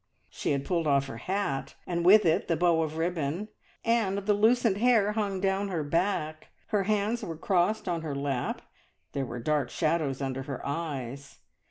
She had pulled off her hat, and with it the bow of ribbon, and the loosened hair hung down her back; her hands were crossed on her lap, there were dark shadows under her eyes.